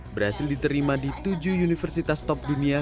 berhasil diterima di tujuh universitas top dunia